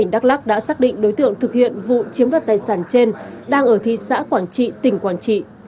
đắk lắc đã xác định đối tượng thực hiện vụ chiếm đoạt tài sản trên đang ở thị xã quảng trị tỉnh quảng trị